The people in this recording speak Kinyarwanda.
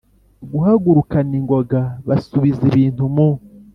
guhagurukana ingoga, basubiza ibintu mu